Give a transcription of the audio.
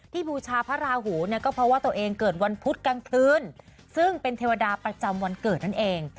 บูชาพระราหูเนี่ยก็เพราะว่าตัวเองเกิดวันพุธกลางคืนซึ่งเป็นเทวดาประจำวันเกิดนั่นเอง